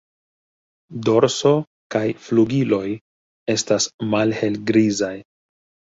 Dorso kaj flugiloj estas malhelgrizaj.